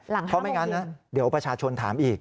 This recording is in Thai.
หลัง๕โมงจริงเพราะไม่งั้นเดี๋ยวประชาชนถามอีก